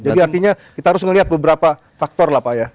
jadi artinya kita harus melihat beberapa faktor lah pak ya